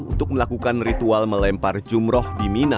untuk melakukan ritual melempar jumroh di mina